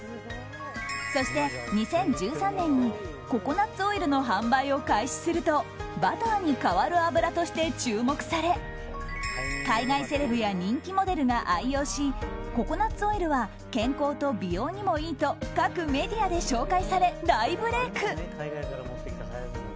そして２０１３年にココナッツオイルの販売を開始するとバターに代わる油として注目され海外セレブや人気モデルが愛用しココナッツオイルは健康と美容にもいいと各メディアで紹介され大ブレーク。